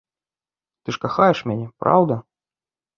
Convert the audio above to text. Ты ж кахаеш мяне, праўда?